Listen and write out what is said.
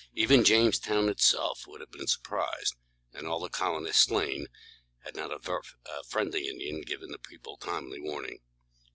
Even Jamestown itself would have been surprised, and all the colonists slain, had not a friendly Indian given the people timely warning.